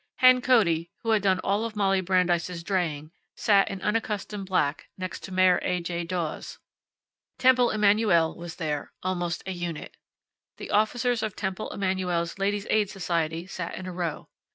Hen Cody, who had done all of Molly Brandeis's draying, sat, in unaccustomed black, next to Mayor A. J. Dawes. Temple Emmanu el was there, almost a unit. The officers of Temple Emanu el Ladies' Aid Society sat in a row.